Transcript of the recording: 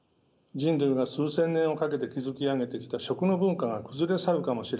人類が数千年をかけて築き上げてきた食の文化が崩れ去るかもしれない。